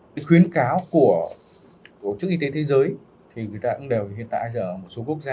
cái khuyến cáo của chức y tế thế giới thì người ta cũng đều hiện tại ở một số quốc gia